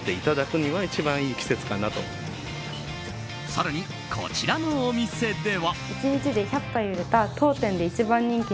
更に、こちらのお店では。